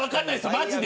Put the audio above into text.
マジで。